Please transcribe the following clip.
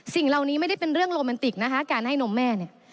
สิ่งเหล่านี้ไม่ได้เป็นเรื่องโรแมนติกนะคะการให้นมแม่เนี่ย